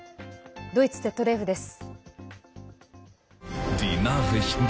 ドイツＺＤＦです。